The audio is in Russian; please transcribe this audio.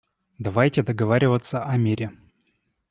Давайте договариваться о мире.